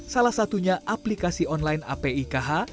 salah satunya aplikasi online api kh